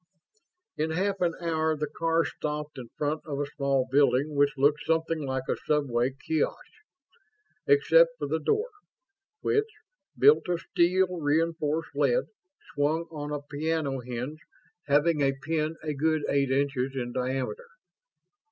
In half an hour the car stopped in front of a small building which looked something like a subway kiosk except for the door, which, built of steel reinforced lead, swung on a piano hinge having a pin a good eight inches in diameter.